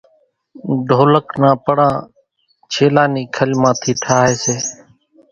ڍولڪ نان پڙان ڇيلا نِي کلِ مان ٿِي ٺۿائيَ سي۔